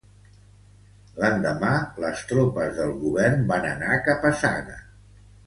L'endemà, les tropes del govern van anar cap a Saga.